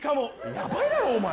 ヤバいだろお前。